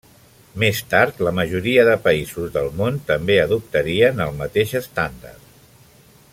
Més tard la majoria de països del món també adoptarien el mateix estàndard.